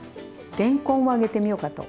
れんこんを揚げてみようかと。